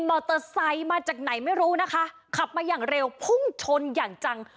มอเตอร์ไซค์มาจากไหนไม่รู้นะคะขับมาอย่างเร็วพุ่งชนอย่างจัง